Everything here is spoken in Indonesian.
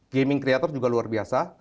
gaming creator juga luar biasa